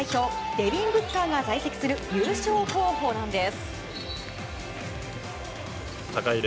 デビン・ブッカーが在籍する優勝候補なんです。